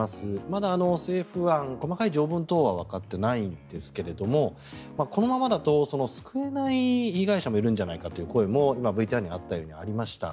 まだ政府案、細かい条文等はわかってないんですがこのままだと救えない被害者もいるんじゃないかという声も今、ＶＴＲにあったようにありました。